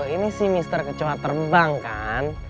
ini si mister kecua terbang kan